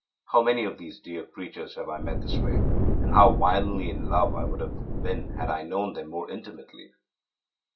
How many of these dear creatures have I met this way, and how wildly in love I would have been had I known them more intimately.